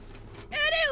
エレン。